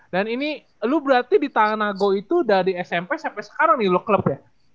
dan ini lu berarti di tanago itu dari smp sampai sekarang nih lu klub ya